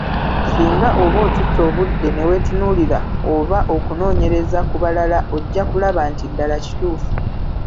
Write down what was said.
Singa obanga otutte obudde ne weetunuulira oba okunoonyereza ku balala ojja kulaba nti ddala kituufu.